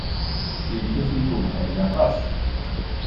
Yekkat-iyi ubeḥri aṭas.